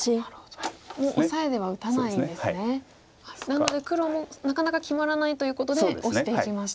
なので黒もなかなか決まらないということでオシていきました。